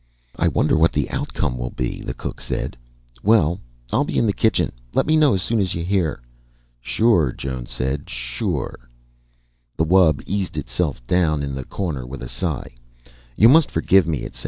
"I wonder what the outcome will be," the cook said. "Well, I'll be in the kitchen. Let me know as soon as you hear." "Sure," Jones said. "Sure." The wub eased itself down in the corner with a sigh. "You must forgive me," it said.